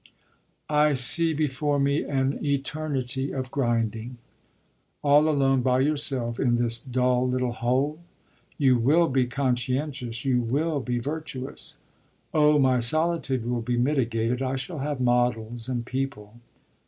"I see before me an eternity of grinding." "All alone by yourself in this dull little hole? You will be conscientious, you will be virtuous." "Oh my solitude will be mitigated I shall have models and people."